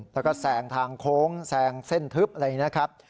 แล้วก็แสงทางโค้งแสงเส้นทึบอะไรอย่างนี้นะครับ